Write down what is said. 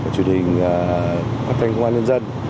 truyền hình phát thanh công an nhân dân